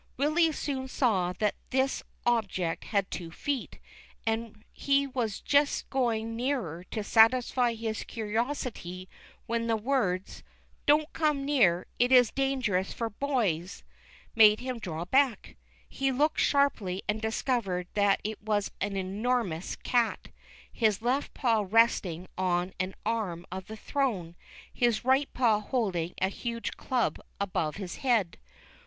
Willy soon saw that this object had two feet, and he was just going nearer to satisfy his curiosity when the words, " Don't come near, it is dangerous for boys !" made him draw back. He looked sharply and discovered that it was an enormous cat, his left paw resting on an arm of the throne, his right paw holding a huge club above his head.